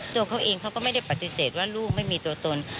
ตัวเขาเองเขาก็ไม่ได้ปฏิเสธว่าลูกไม่มีตัวตน